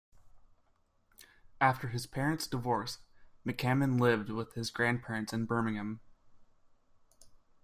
After his parents' divorce, McCammon lived with his grandparents in Birmingham.